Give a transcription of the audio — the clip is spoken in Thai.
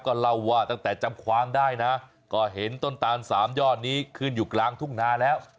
ก็เล่าว่าตั้งแต่จำความได้นะก็เห็นต้นตาลสามยอดนี้ขึ้นอยู่กลางทุ่งนาแล้ว